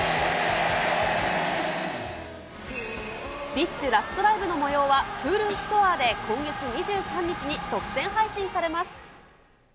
ＢｉＳＨラストライブのもようは、Ｈｕｌｕストアで、今月２３日に独占配信されます。